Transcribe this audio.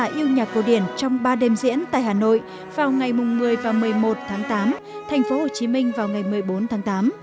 khán giả yêu nhạc cổ điển trong ba đêm diễn tại hà nội vào ngày một mươi và một mươi một tháng tám thành phố hồ chí minh vào ngày một mươi bốn tháng tám